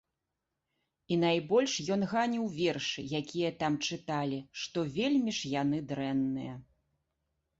І найбольш ён ганіў вершы, якія там чыталі, што вельмі ж яны дрэнныя.